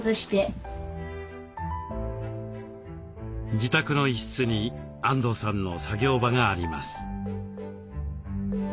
自宅の一室にあんどうさんの作業場があります。